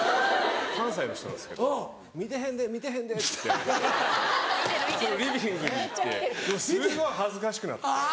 関西の人なんですけど「見てへんで見てへんで」ってリビングに行ってすごい恥ずかしくなって。